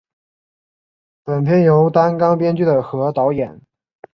本片由担纲编剧和导演。